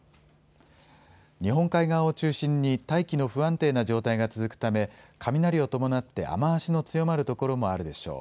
日本海側を中心に大気の不安定な状態が続くため雷を伴って雨足の強まる所もあるでしょう。